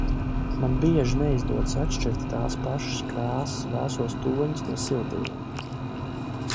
Man bieži neizdodas atšķirt tās pašas krāsas vēsos toņus no siltajiem.